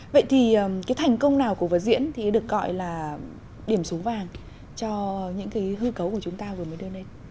vậy thì cái thành công nào của vở diễn thì được gọi là điểm súng vàng cho những cái hư cấu của chúng ta vừa mới đưa lên